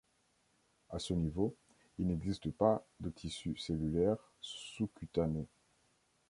À ce niveau il n'existe pas de tissu cellulaire sous-cutané.